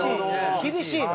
厳しいの！